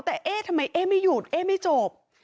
แต่เอ๊ะทำไมเอ๊ไม่หยุดเอ๊ะไม่จบ